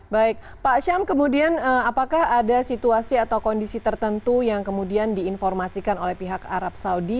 baik pak syam kemudian apakah ada situasi atau kondisi tertentu yang kemudian diinformasikan oleh pihak arab saudi